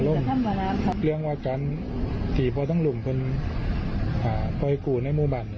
แล้วก็จะมีการทำบุญอุทิศส่วนกุศลให้กับผู้ตาย